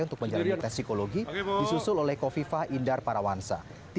untuk menjalani tes psikologi disusul oleh kofifa indar parawansa